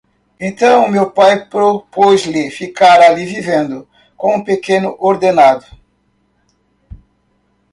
Então meu pai propôs-lhe ficar ali vivendo, com pequeno ordenado.